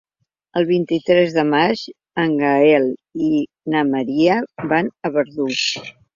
El vint-i-tres de maig en Gaël i na Maria van a Verdú.